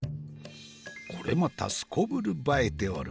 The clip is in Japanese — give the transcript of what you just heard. これまたすこぶる映えておる。